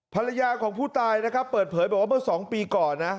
ภรรยาของผู้ตายนะครับเปิดเผยบอกว่าเมื่อ๒ปีก่อนนะ